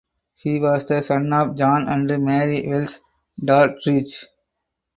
He was the son of John and Mary Wells Doddridge.